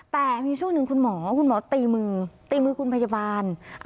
แต่เมื่อชั่วโลกคนนึงคุณหมอตีมือคุณพยาบาล